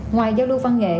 ngoài giao lưu văn nghệ